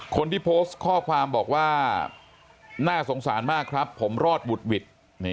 คนที่โพสต์ข้อความบอกว่าน่าสงสารมากครับผมรอดบุดหวิด